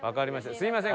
すみません。